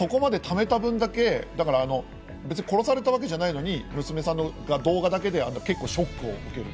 ためた分だけ殺されたわけじゃないのに、娘さんが動画だけで結構ショックを受ける。